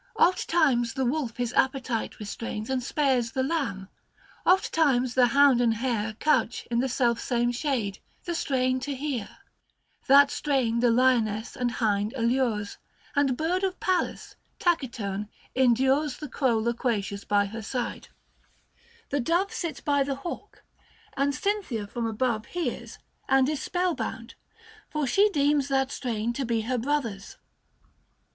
Ofttimes the wolf his appetite restrains And spares the lamb ; ofttimes the hound and hare Couch in the selfsame shade, the strain to hear ; That strain the lioness and hind allures ; And bird of Pallas, taciturn, endures The crow loquacious by her side ; the dove Sits by the hawk ; and Cynthia from above 70 80 Book II. THE FASTI. 35 Hears, and is spell bound ; for she deems that strain To be her brother's.